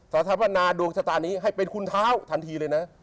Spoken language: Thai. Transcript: สถาปนาดวงชะตานี้ให้เป็นคุณเท้าทันทีเลยนะ